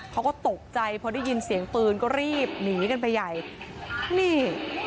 เขาก็ตกใจพอได้ยินเสียงปืนก็รีบหนีกันไปใหญ่นี่